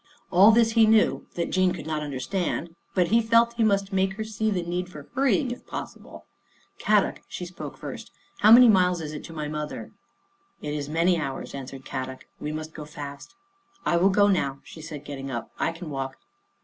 All this he knew, that Jean could not understand, but he felt that he must make her see the need for hur rying if possible. " Kadok," she spoke first. " How many miles is it to my mother? "" It is many hours," answered Kadok. " We must go fast." " I will go now," she said, getting up. " I can walk."